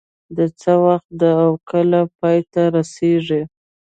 دا څه وخت ده او کله پای ته رسیږي